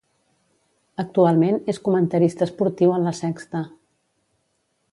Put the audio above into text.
Actualment és comentarista esportiu en La Sexta.